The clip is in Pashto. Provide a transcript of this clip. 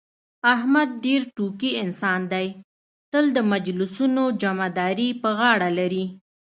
احمد ډېر ټوکي انسان دی، تل د مجلسونو جمعه داري په غاړه لري.